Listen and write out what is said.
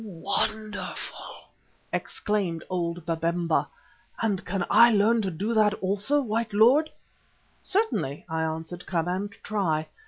"Wonderful!" exclaimed old Babemba, "and can I learn to do that also, white lord?" "Certainly," I answered, "come and try.